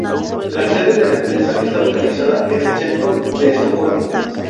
La sede de la empresa está localizada en el centro de Estocolmo.